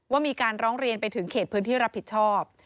ว่ามีการร้องเรียนไปถึงเขตพื้นที่รับผิดชอบ